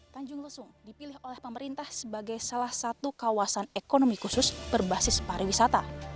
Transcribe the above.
tanjung lesung dipilih oleh pemerintah sebagai salah satu kawasan ekonomi khusus berbasis pariwisata